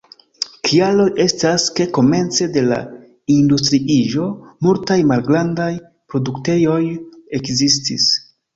Kialoj estas, ke komence de la industriiĝo multaj malgrandaj produktejoj ekzistis.